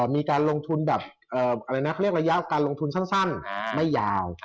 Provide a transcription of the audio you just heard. มีการลงทุนระยะการลงทุนสั้นไม่ยาว